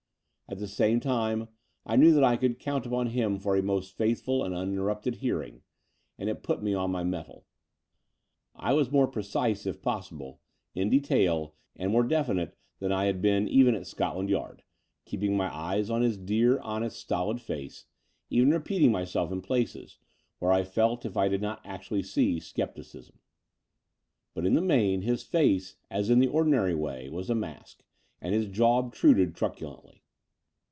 At the same time, I knew that I could count upon him for a most faithful and uninterrupted hearing: and it put me on my mettle. I was more precise, if possible, in detail and more ddinite than I had been even at Scotland Yard, keeping my eyes on his dear honest, stolid face, even repeating myself in places, where I felt, if I did not actually see, scepticism : but in the main his face, as in the ordinary way, was a mask, and his jaw obtruded truculently.